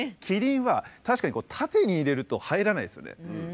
キリンは確かに縦に入れると入らないですよね。